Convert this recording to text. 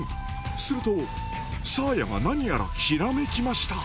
するとサーヤが何やらひらめきました。